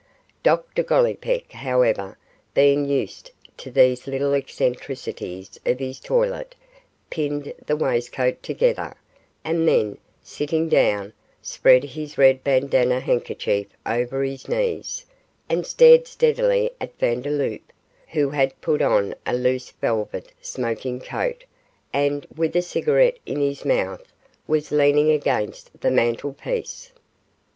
Dr Gollipeck, however, being used to these little eccentricities of his toilet, pinned the waistcoat together, and then, sitting down, spread his red bandanna handkerchief over his knees, and stared steadily at Vandeloup, who had put on a loose velvet smoking coat, and, with a cigarette in his mouth, was leaning against the mantelpiece.